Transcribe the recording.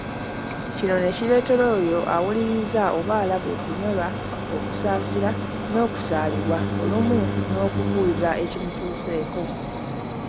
Kino ne kireetera oyo awuliriza oba alaba okunyolwa, okusaasira, n’okusaalirwa olumu n’okubuuza ekikutuuseeko.